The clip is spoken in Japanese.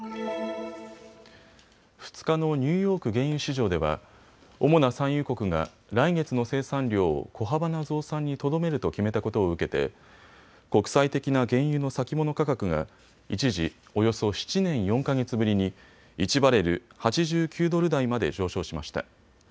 ２日のニューヨーク原油市場では主な産油国が来月の生産量を小幅な増産にとどめると決めたことを受けて国際的な原油の先物価格が一時、およそ７年４か月ぶりに１バレル８９ドル台まで上昇しました。